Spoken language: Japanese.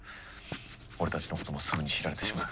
俺たちのこともすぐに知られてしまう。